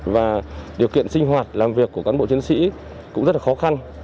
và điều kiện sinh hoạt làm việc của cán bộ chiến sĩ cũng rất là khó khăn